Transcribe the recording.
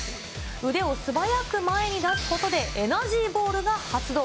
腕を素早く前に出すことでエナジーボールが発動。